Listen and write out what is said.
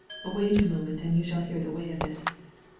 Wait a moment and you shall hear the way of it.